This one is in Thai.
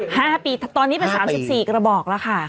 ห้าปีตอนนี้เป็นสามสิบสี่กระบอกแล้วค่ะ